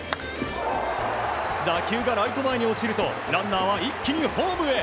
打球がライト前に落ちるとランナーは一気にホームへ。